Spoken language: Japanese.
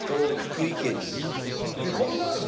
えっこんなあるの？